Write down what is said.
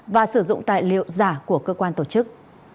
và sử dụng tài liệu giả của cơ quan tổ chức